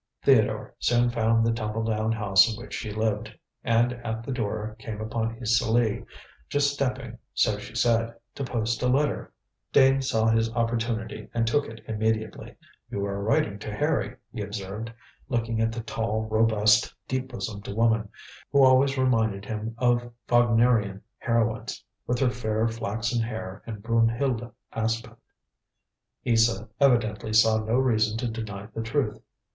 Theodore soon found the tumbledown house in which she lived, and at the door came upon Isa Lee, just stepping so she said to post a letter. Dane saw his opportunity and took it immediately. "You are writing to Harry," he observed, looking at the tall, robust, deep bosomed woman, who always reminded him of Wagnerian heroines, with her fair, flaxen hair and Brunehild aspect. Isa evidently saw no reason to deny the truth.